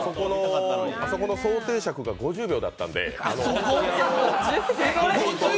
あそこの想定尺が５０秒だったんで。